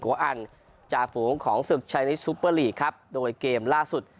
อันจ่าฝูงของศึกชัยริสซุปเปอร์ลีกครับโดยเกมล่าสุด